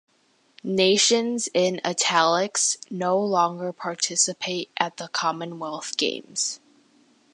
Nations in "italics" no longer participate at the Commonwealth Games.